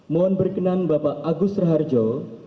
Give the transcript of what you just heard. mohon berkenan bapak agus raharjo